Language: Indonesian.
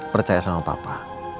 percaya sama papa